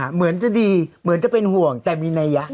เหมือนจะดีเหมือนจะเป็นห่วงแต่มีนัยยะ